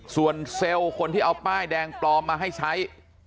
ส่วนเซลล์คนที่เอาป้ายแดงปลอมมาให้ใช้